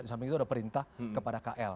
sampai itu ada perintah kepada kl